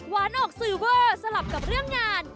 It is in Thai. ออกสื่อเวอร์สลับกับเรื่องงาน